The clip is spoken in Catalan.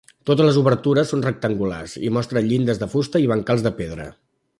Totes les obertures són rectangulars i mostren llindes de fusta i bancals de pedra.